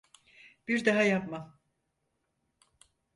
Bir daha yapmam.